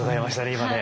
今ね。